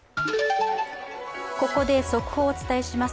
ここで速報をお伝えします。